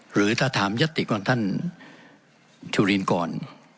หรือถ้าถามยัตติของท่านจุลินก่อน